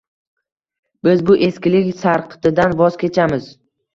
— biz bu eskilik sarqitidan voz kechamiz.